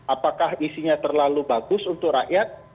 apakah isinya terlalu bagus untuk rakyat